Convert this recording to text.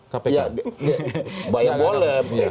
banyak yang boleh